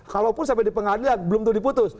kalaupun sampai di pengadilan belum tuh diputus